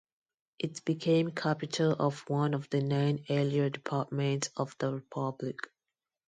It became capital of one of the nine earlier Departments of the Republic.